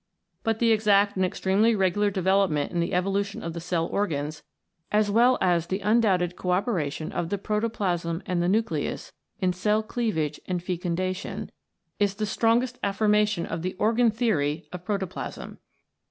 But the exact and extremely regular development in the evolution of the cell organs, as well as the undoubted co operation of protoplasm and the nucleus in cell cleavage and in fecundation, is the strongest affirmation of the organ theory of protoplasm.